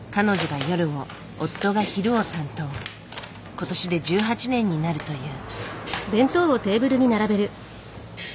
今年で１８年になるという。